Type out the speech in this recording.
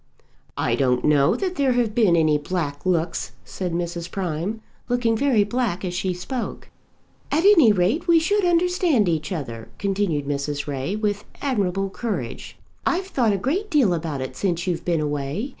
"I don't know that there have been any black looks," said Mrs. Prime, looking very black as she spoke. "At any rate we should understand each other," continued Mrs. Ray, with admirable courage. "I've thought a great deal about it since you've been away.